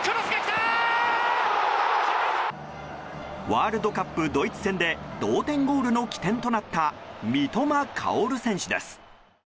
ワールドカップドイツ戦で同点ゴールの起点となった三笘薫選手です。